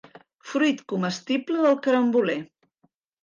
Fruit comestible del caramboler.